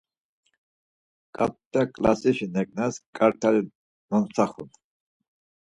Ǩarta ǩlasişi neǩnas kart̆ali nontsaxun.